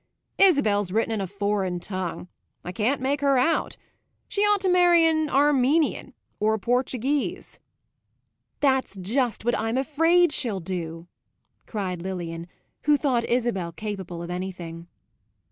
"Isabel's written in a foreign tongue. I can't make her out. She ought to marry an Armenian or a Portuguese." "That's just what I'm afraid she'll do!" cried Lilian, who thought Isabel capable of anything.